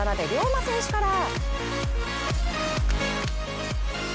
磨選手から！